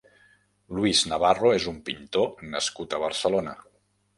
Luis Navarro és un pintor nascut a Barcelona.